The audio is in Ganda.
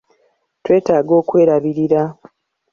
Twetaaga okwerabirira.